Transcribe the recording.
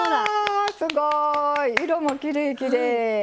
すごい！色もきれい、きれい！